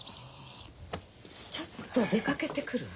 ちょっと出かけてくるわ。